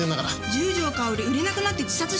十条かおり売れなくなって自殺しちゃったんでしょ？